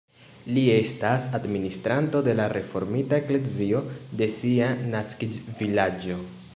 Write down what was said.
Li estas administranto de la reformita eklezio de sia naskiĝvilaĝo.